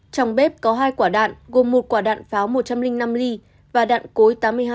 trong bếp có hai quả đạn gồm một quả đạn pháo một trăm linh năm ly và đạn cối tám mươi hai